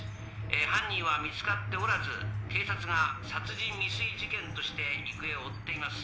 犯人は見つかっておらず警察が殺人未遂事件として行方を追っています